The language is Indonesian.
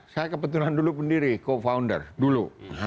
saya kebetulan dulu pendiri co founder dulu